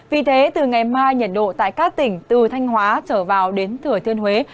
vì thế từ ngày mai nhiệt độ tại các tỉnh từ thanh hóa trở vào đến thừa thiên huế